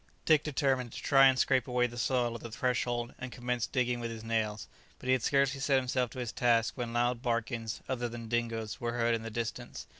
Dick determined to try and scrape away the soil at the threshold, and commenced digging with his nails. But he had scarcely set himself to his task when loud barkings, other than Dingo's, were heard in the distance.